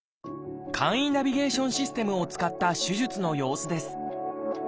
簡易ナビゲーションシステムを使った手術の様子です。